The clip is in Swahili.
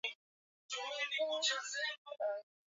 Zambia kuko wa advantista wengi na rwanda